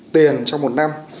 tiền trong một năm